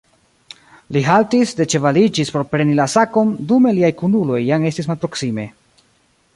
Li haltis, deĉevaliĝis por preni la sakon, dume liaj kunuloj jam estis malproksime.